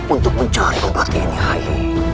untuk mencari obat ini